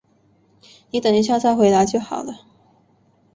你等一下再回来就好了